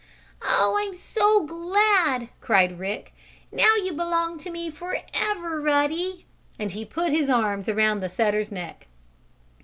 "Oh, I'm so glad!" cried Rick. "Now you belong to me forever, Ruddy!" and he put his arms around the setter's neck.